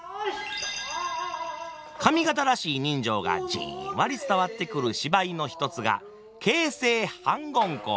上方らしい人情がじんわり伝わってくる芝居の一つが「傾城反魂香」。